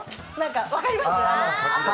分かります？